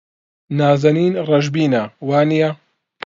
نازەنین ڕەشبینە، وانییە؟